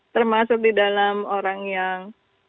termasuk di dalam orang yang